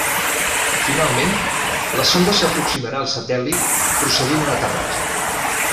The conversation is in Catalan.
Finalment, la sonda s'aproximarà al satèl·lit, procedint a l'aterratge.